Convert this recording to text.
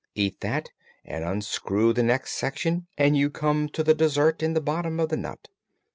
Eat that, and unscrew the next section, and you come to the dessert in the bottom of the nut.